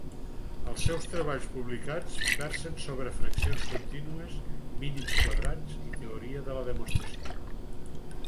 Els seus treballs publicats versen sobre fraccions contínues, mínims quadrats i teoria de la demostració.